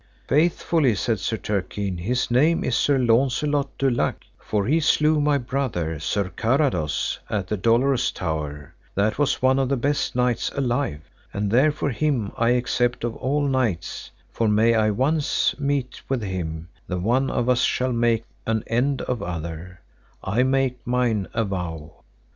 Faithfully, said Sir Turquine, his name is Sir Launcelot du Lake, for he slew my brother, Sir Carados, at the dolorous tower, that was one of the best knights alive; and therefore him I except of all knights, for may I once meet with him, the one of us shall make an end of other, I make mine avow.